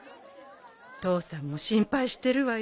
父さんも心配してるわよ。